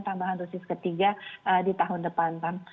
tambahan dosis ketiga di tahun depan